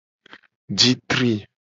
Ji tri.